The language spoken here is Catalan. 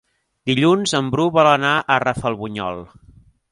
Dilluns en Bru vol anar a Rafelbunyol.